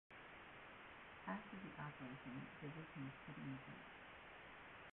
After the operation the division was put in reserve.